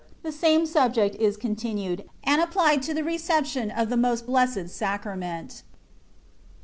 THI SAME SUBJECT IS CONTINUED, AND APPLIED TO THE BEO TION OF THE MOST BLESSED 8ACBAMENT.